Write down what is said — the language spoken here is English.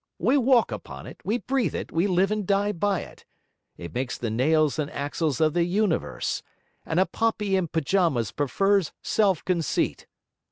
We walk upon it, we breathe it; we live and die by it; it makes the nails and axles of the universe; and a puppy in pyjamas prefers self conceit!'